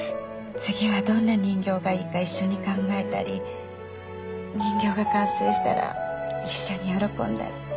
次はどんな人形がいいか一緒に考えたり人形が完成したら一緒に喜んだり